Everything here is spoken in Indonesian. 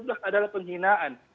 sebelas adalah penghinaan